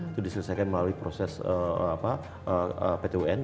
itu diselesaikan melalui proses pt un